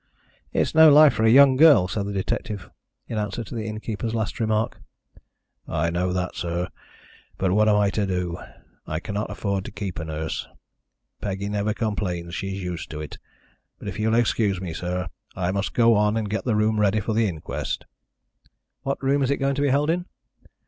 "It's no life for a young girl," said the detective, in answer to the innkeeper's last remark. "I know that, sir. But what am I to do? I cannot afford to keep a nurse. Peggy never complains. She's used to it. But if you'll excuse me, sir. I must go and get the room ready for the inquest." "What room is it going to be held in?"